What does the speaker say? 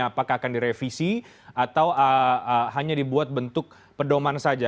apakah akan direvisi atau hanya dibuat bentuk pedoman saja